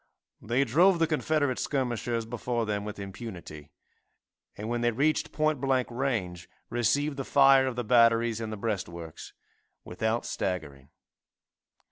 They drove the Confederate skirmishers before them with impunity, and when they reached point blank range received the fire of the batteries in the breastworks without staggering.